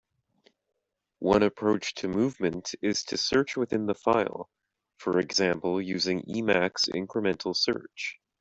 One approach to movement is to search within the file, for example using Emacs incremental search.